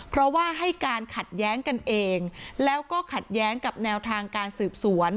เพราะว่าให้การขัดแย้งกันเองแล้วก็ขัดแย้งกับแนวทางการสืบสวน